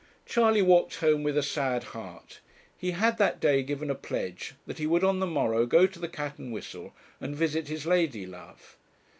Charley walked home with a sad heart. He had that day given a pledge that he would on the morrow go to the 'Cat and Whistle,' and visit his lady love.